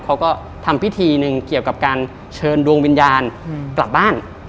เขาก็ทำพิธีหนึ่งเกี่ยวกับการเชิญดวงวิญญาณกลับบ้าน